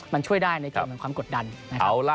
มันช่วยได้ในการเหมือนความกดดันนะครับ